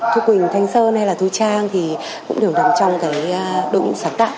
thu quỳnh thanh sơn hay là thu trang thì cũng đều nằm trong cái đụng sáng tạo